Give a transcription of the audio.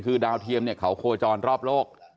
คือดาวเทียมเขาโคจรรอบโลก